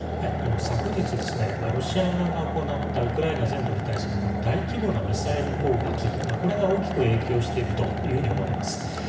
昨日、ロシア側が行ったウクライナ全土に対する大規模なミサイル攻撃これが大きく影響していると思われます。